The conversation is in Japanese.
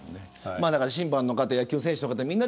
審判の方、野球選手の方